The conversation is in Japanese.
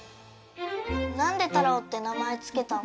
なんで太郎って名前付けたの？